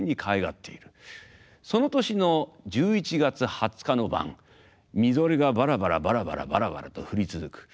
その年の１１月２０日の晩みぞれがバラバラバラバラバラバラと降り続く。